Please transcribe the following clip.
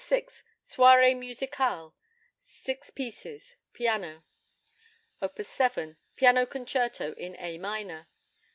6, Soirées Musicales, 6 pieces, piano. Op. 7, Piano Concerto in A minor.